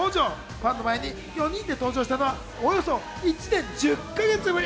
ファンの前に４人そろって登場したのはおよそ１年１０か月ぶり。